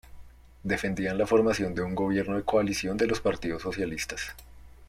Defendían la formación de un Gobierno de coalición de los partidos socialistas.